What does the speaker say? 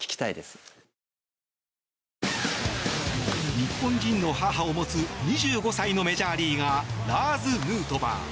日本人の母を持つ２５歳のメジャーリーガーラーズ・ヌートバー。